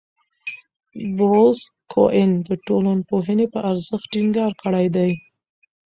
بروس کوئن د ټولنپوهنې په ارزښت ټینګار کړی دی.